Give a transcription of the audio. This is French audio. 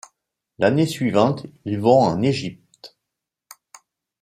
L'année suivante, ils vont en Égypte.